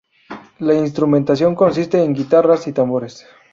La instrumentación consiste en guitarras y tambores.